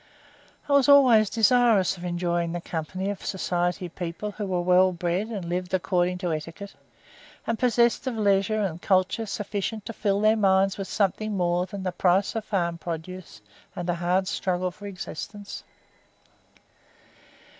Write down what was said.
I was always desirous of enjoying the company of society people who were well bred and lived according to etiquette, and possessed of leisure and culture sufficient to fill their minds with something more than the price of farm produce and a hard struggle for existence.